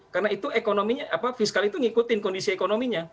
karena itu ekonominya fiskal itu mengikuti kondisi ekonominya